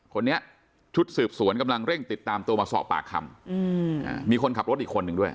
คนนี้ชุดสืบสวนกำลังเร่งติดตามตัวมาสอบปากคำมีคนขับรถอีกคนหนึ่งด้วย